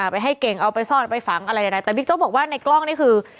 ไปให้เก่งเอาไปซ่อนเอาไปฝังอะไรใดแต่บิ๊กโจ๊กบอกว่าในกล้องนี่คือ